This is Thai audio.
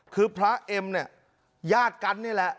คือพระเอ็มเนี่ยญาติกันนี่แหละ